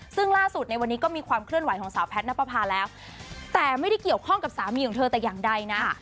ซึ่งล่าสุดในวันนี้ก็มีความเคลื่อนไหวของสาวแพทย์นับประพาแล้วแต่ไม่ได้เกี่ยวข้องกับสามีของเธอแต่อย่างใดนะ